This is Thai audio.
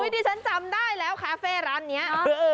ที่ฉันจำได้แล้วคาเฟ่ร้านนี้